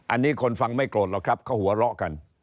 อันนี้คนฟังไม่โกรธหรอกครับเขาหัวเราะกัน